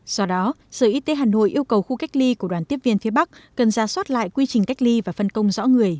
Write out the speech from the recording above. do đó sở y tế hà nội yêu cầu khu cách ly của đoàn tiếp viên phía bắc cần ra soát lại quy trình cách ly và phân công rõ người